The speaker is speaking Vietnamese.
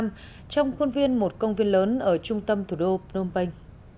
một công viên lớn ở trung tâm thủ đô phnom penh